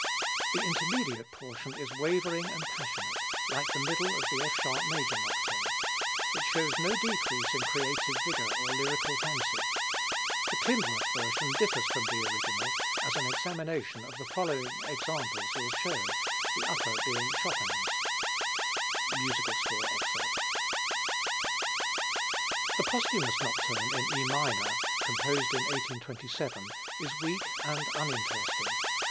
The intermediate portion is wavering and passionate, like the middle of the F sharp major Nocturne. It shows no decrease in creative vigor or lyrical fancy. The Klindworth version differs from the original, as an examination of the following examples will show, the upper being Chopin's: [Musical score excerpt] The posthumous nocturne in E minor, composed in 1827, is weak and uninteresting.